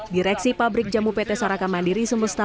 direksi pabrik jamu pt saraka mandiri semesta